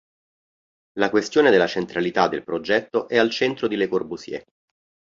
La questione della centralità del progetto è al centro di Le Corbusier.